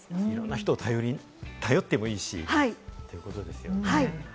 人を頼ってもいいしということですよね。